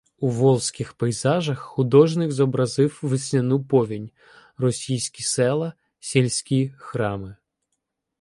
У волзьких пейзажах художник зобразив весняну повінь, російські села, сільські храми.